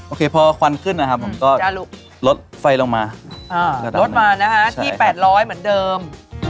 โคพอควันขึ้นนะครับผมก็ลดไฟลงมาลดมานะฮะที่๘๐๐เหมือนเดิม